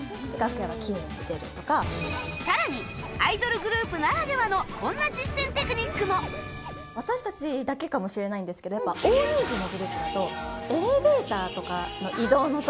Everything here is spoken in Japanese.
さらにアイドルグループならではのこんな実践テクニックも私たちだけかもしれないんですけどやっぱえっどうしてたんですか？